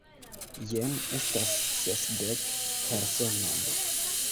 Jen estas sesdek personoj!